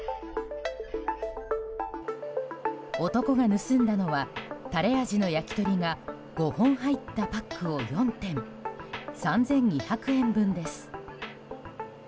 男が盗んだのはタレ味の焼き鳥が５本入ったパックを４点３２００円分です。